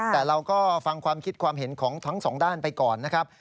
แต่เราก็ฟังความคิดความเห็นของทั้งสองด้านไปก่อนนะครับ